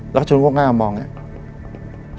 แล้วก็ชงวกหน้ากลับมองเนี้ย